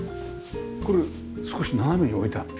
これ少し斜めに置いてある。